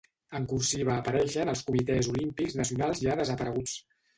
En cursiva apareixen els comitès olímpics nacionals ja desapareguts.